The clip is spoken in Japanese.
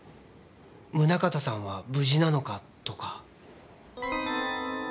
宗形さんは無事なのか？とか。